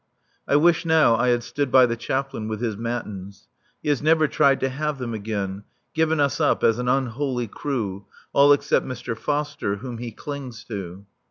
(I wish now I had stood by the Chaplain with his Matins. He has never tried to have them again given us up as an unholy crew, all except Mr. Foster, whom he clings to.)